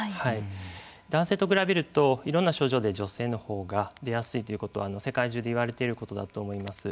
男性と比べるといろんな症状で女性のほうが出やすいということは世界中でいわれていることだと思います。